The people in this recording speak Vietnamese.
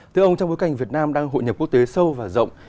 thưa ông trong bối cảnh việt nam đang hội nhập quốc tế sâu và rộng